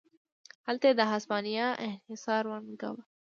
هلته یې د هسپانیا انحصار وننګاوه.